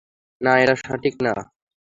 না, এটা সঠিক না।